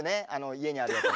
家にあるやつ。